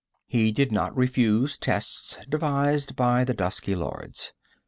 He did not refuse tests devised by the dusky lords.